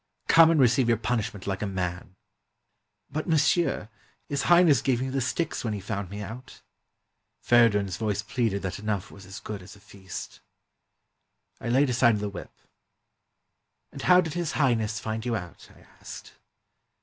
"Come and receive your punishment like a man." "But, monsieur, His Highness gave me the sticks when he found me out." Feridun's voice pleaded that enough was as good as a feast. I laid aside the whip. "And how did His Highness find you out?" I asked.